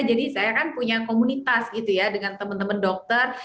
jadi saya kan punya komunitas gitu ya dengan temen temen dokter